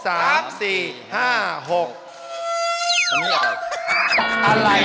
อันนี้อะไร